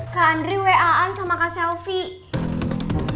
kak andri waan sama kak selvi